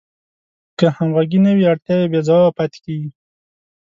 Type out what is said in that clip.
که همغږي نه وي اړتیاوې بې ځوابه پاتې کیږي.